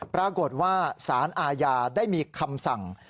ปรากฏว่าสารอาญาได้มีคำสั่ง